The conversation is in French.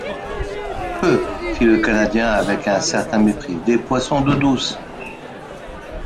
Peuh! fit le Canadien avec un certain mépris, des poissons d’eau douce !